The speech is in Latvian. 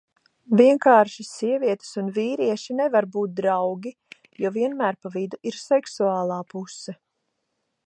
Vienkārši sievietes un vīrieši nevar būt draugi, jo vienmēr pa vidu ir seksuālā puse.